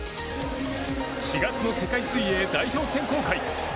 ４月の世界水泳代表選考会。